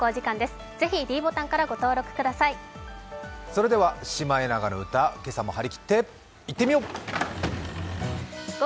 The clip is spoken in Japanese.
それでは「シマエナガの歌」、今朝も張り切っていってみよう。